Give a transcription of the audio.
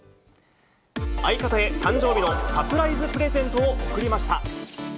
相方へ、誕生日のサプライズプレゼントを贈りました。